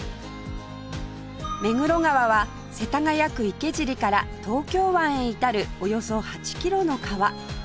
目黒川は世田谷区池尻から東京湾へ至るおよそ８キロの川